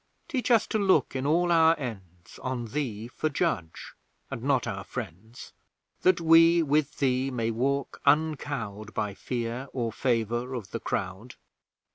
Teach us to look in all our ends, On Thee for judge, and not our friends; That we, with Thee, may walk uncowed By fear or favour of the crowd.